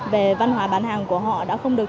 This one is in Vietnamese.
về văn hóa bán hàng của họ đã không được